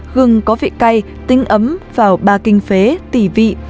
gừng có vị cay tính ấm vào ba kinh phế tỉ vị